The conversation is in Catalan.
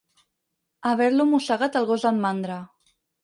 Haver-lo mossegat el gos d'en Mandra.